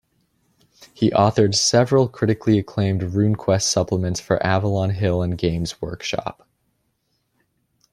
He authored several critically acclaimed "RuneQuest" supplements for Avalon Hill and Games Workshop.